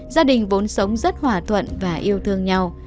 gia đình vốn sống rất hòa thuận và yêu thương nhau